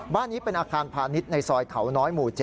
บ้านนี้เป็นอาคารพาณิชย์ในซอยเขาน้อยหมู่๗